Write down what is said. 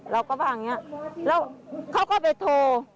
เราก็ว่าอย่างนี้แล้วเขาก็ไปโทร